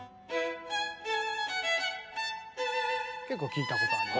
結構聞いたことある。